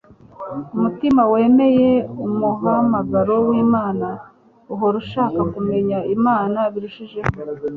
Umutima wemeye umuhamagaro w'Imana, uhora ushakashaka kumenya Imana biruseho,